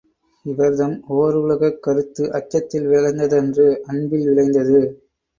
இவர்தம் ஓருலகக் கருத்து அச்சத்தில் விளைந்ததன்று அன்பில் விளைந்தது.